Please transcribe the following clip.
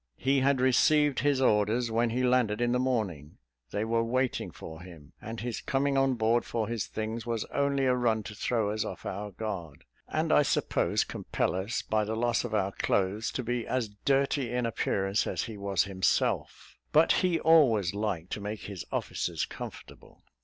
He had received his orders when he landed in the morning; they were waiting for him, and his coming on board for his things, was only a run to throw us off our guard, and I suppose compel us, by the loss of our clothes, to be as dirty in appearance as he was himself, "but he always liked to make his officers comfortable."